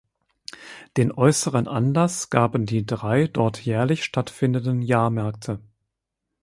Den äußeren Anlass gaben die drei dort jährlich stattfindenden Jahrmärkte.